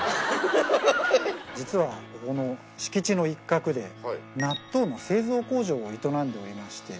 実はここの敷地の一角で納豆の製造工場を営んでおりまして。